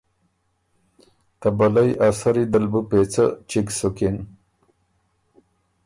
ته بلئ ا سري دل بُو پېڅه چِګ سُکِن